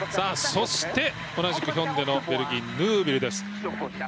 そして、同じくヒョンデのティエリー・ヌービルです。